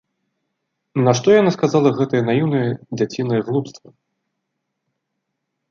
Нашто яна сказала гэтае наіўнае дзяцінае глупства?